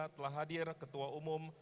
telah hadir ketua umum